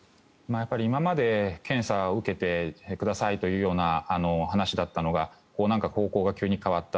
今まで検査を受けてくださいというような話だったのが方向が急に変わった。